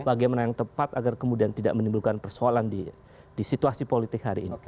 bagaimana yang tepat agar kemudian tidak menimbulkan persoalan di situasi politik hari ini